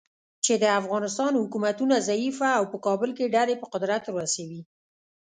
چې د افغانستان حکومتونه ضعیفه او په کابل کې ډلې په قدرت ورسوي.